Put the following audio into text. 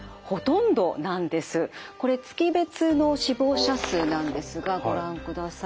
これ月別の死亡者数なんですがご覧ください。